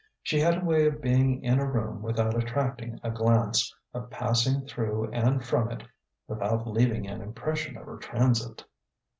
She had a way of being in a room without attracting a glance, of passing through and from it without leaving an impression of her transit.